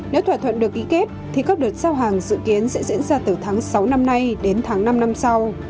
nếu thỏa thuận được ký kết thì các đợt giao hàng dự kiến sẽ diễn ra từ tháng sáu năm nay đến tháng năm năm sau